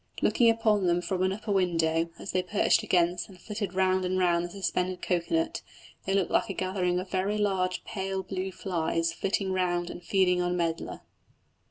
Looking upon them from an upper window, as they perched against and flitted round and round the suspended cocoa nut, they looked like a gathering of very large pale blue flies flitting round and feeding on medlar.